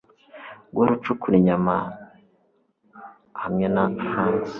guhora ucukura inyama hamwe na fangs